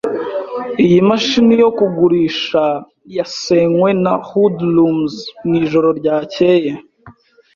Iyi mashini yo kugurisha yasenywe na hoodlums mwijoro ryakeye.